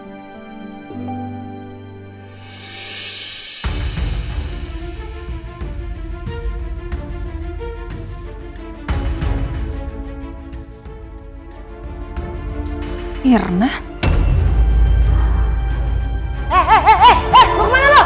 tapi ujung ujungnya bikin kacau juga